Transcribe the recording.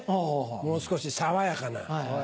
もう少し爽やかな。